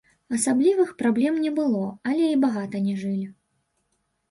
Асаблівых праблем не было, але і багата не жылі.